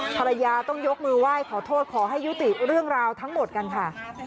ภรรยาต้องยกมือไหว้ขอโทษขอให้ยุติเรื่องราวทั้งหมดกันค่ะ